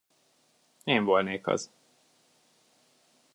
Én volnék az.